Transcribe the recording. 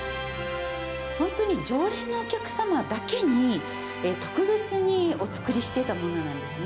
本当に常連のお客様だけに、特別にお作りしていたものなんですね。